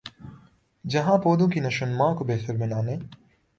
جہاں پودوں کی نشوونما کو بہتر بنانے